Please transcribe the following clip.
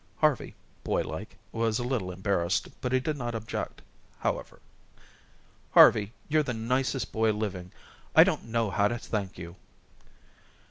Harvey, boylike, was a little embarrassed, but he did not object, however. "Harvey, you're the nicest boy living. I don't know how to thank you."